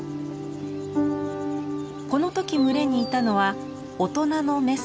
このとき群れにいたのは大人のメスが６頭。